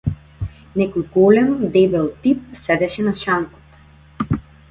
Некој голем, дебел тип седеше на шанкот.